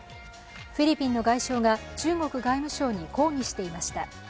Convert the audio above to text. フィリピンの外相が中国外務省に抗議していました。